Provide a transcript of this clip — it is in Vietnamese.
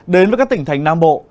đến với các tỉnh thành nam bộ